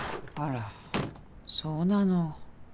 あらそうなの。